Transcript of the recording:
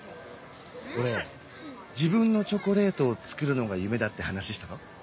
俺自分のチョコレートを作るのが夢だって話したろ？